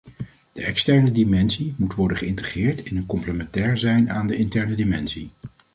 Deze externe dimensie moet worden geïntegreerd in en complementair zijn aan de interne dimensie.